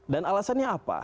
dan alasannya apa